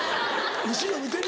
後ろ見てみ？